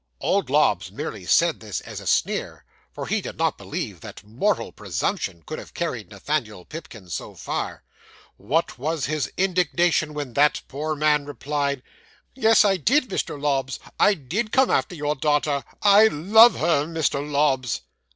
'Old Lobbs merely said this as a sneer: for he did not believe that mortal presumption could have carried Nathaniel Pipkin so far. What was his indignation, when that poor man replied '"Yes, I did, Mr. Lobbs, I did come after your daughter. I love her, Mr. Lobbs."